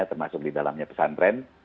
termasuk di dalamnya pesantren